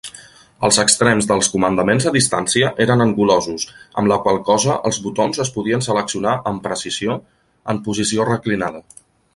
Els extrems dels comandaments a distància eren angulosos, amb la qual cosa els botons es podien seleccionar amb precisió en posició reclinada.